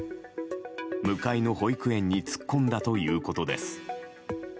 向かいの保育園に突っ込んだということです。